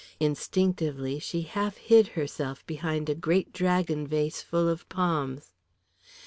Instinctively she half hid herself behind a great dragon vase full of palms.